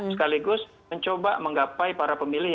sekaligus mencoba menggapai para pemilih